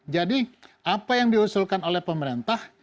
jadi apa yang diusulkan oleh pemerintah